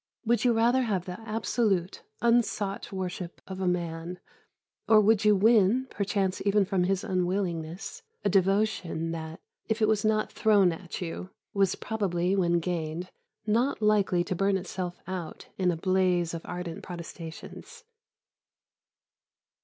Would you rather have the absolute, unsought worship of a man, or would you win, perchance even from his unwillingness, a devotion that, if it was not thrown at you, was probably, when gained, not likely to burn itself out in a blaze of ardent protestations?